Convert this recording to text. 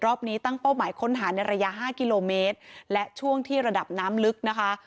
นี้ตั้งเป้าหมายค้นหาในระยะห้ากิโลเมตรและช่วงที่ระดับน้ำลึกนะคะ